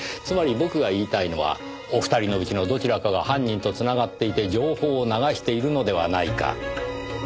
つまり僕が言いたいのはお二人のうちのどちらかが犯人と繋がっていて情報を流しているのではないか。